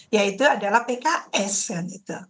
yaitu adalah pks kan itu